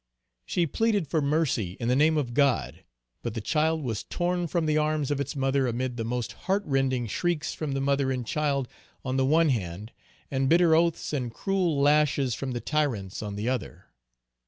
She pleaded for mercy in the name of God. But the child was torn from the arms of its mother amid the most heart rending shrieks from the mother and child on the one hand, and bitter oaths and cruel lashes from the tyrants on the other.